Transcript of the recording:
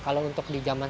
kalau untuk di jaman